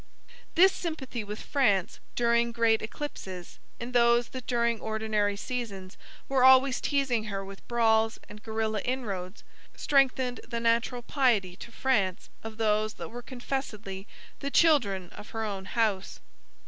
This sympathy with France during great eclipses, in those that during ordinary seasons were always teasing her with brawls and guerilla inroads, strengthened the natural piety to France of those that were confessedly the children of her own house.